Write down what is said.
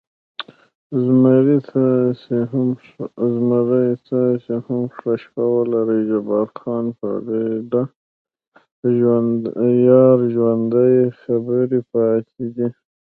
زمري: تاسې هم ښه شپه ولرئ، جبار خان: فرېډه، یار ژوندی، خبرې پاتې.